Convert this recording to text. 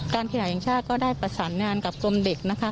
ขยะแห่งชาติก็ได้ประสานงานกับกรมเด็กนะคะ